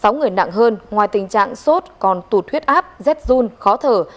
sáu người nặng hơn ngoài tình trạng sốt còn tụt huyết áp rét run khó thở